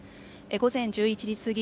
午前１１時過ぎ